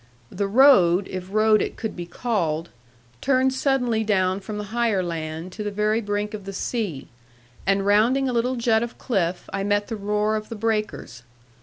The road (if road it could be called) 'turned suddenly down from the higher land to the very brink of the sea; and rounding a little jut of cliff, I met the roar of the breakers.